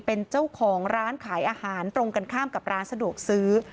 เป็นเจ้าของร้านขายอาหารตรงกันข้ามกับร้านสะดวกซื้อ